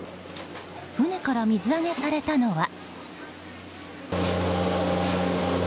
船から水揚げされたのは。